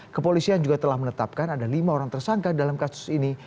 kepolisian juga telah menetapkan ada lima orang tersangka dalam kasus ini